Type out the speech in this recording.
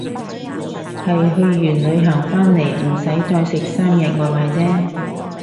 係去完旅行返嚟唔使再食三日外賣姐